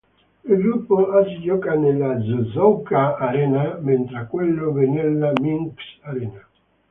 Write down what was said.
Il gruppo A si gioca nella Čyžoŭka-Arena, mentre quello B nella Minsk-Arena.